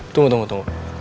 tunggu tunggu tunggu